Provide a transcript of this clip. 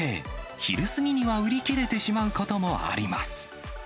昼過ぎには売り切れてしまうこともあります。